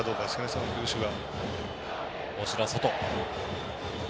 その球種が。